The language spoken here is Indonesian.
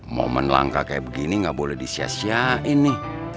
momen langka kayak begini gak boleh disias siain nih